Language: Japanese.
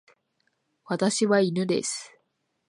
私は犬です。